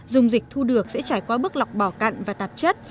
dung dịch thu được sẽ trải qua bức lọc bỏ cặn và tạp chất